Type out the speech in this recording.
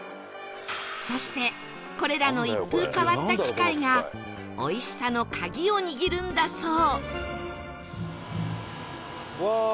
そしてこれらの一風変わった機械がおいしさの鍵を握るんだそう